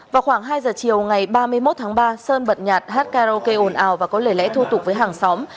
vào khoảng hai giờ chiều ngày ba mươi một tháng ba sơn bật nhạt hát karaoke ồn ào và có lời lẽ thô tục với hàng xóm